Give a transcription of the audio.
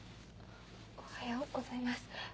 おはようございます。